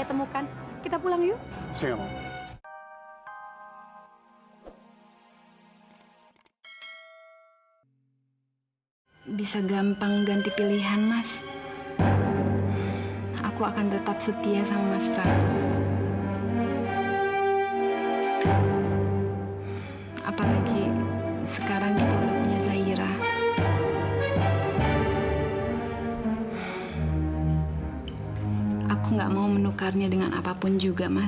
aku gak mau menukarnya dengan apapun juga mas